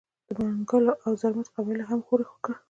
د منګلو او زرمت قبایلو هم ښورښ وکړ.